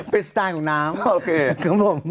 เป็นสไตล์ของน้ำโอเคของผม